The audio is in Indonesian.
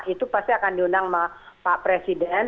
itu pasti akan diundang sama pak presiden